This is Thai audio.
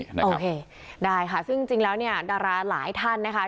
โอเคได้ค่ะซึ่งจริงแล้วเนี่ยดาราหลายท่านนะคะ